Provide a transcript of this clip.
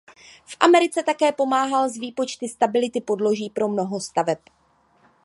V Americe také pomáhal s výpočty stability podloží pro mnoho staveb.